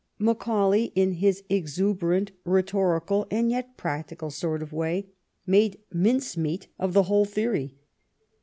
Macaulay, in his exuberant rhetorical and yet practical sort of way, made mince meat of the whole theory.